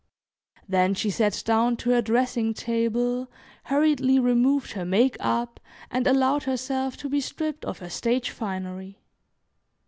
Then she sat down to her dressing table, hurriedly removed her make up, and allowed herself to be stripped of her stage finery.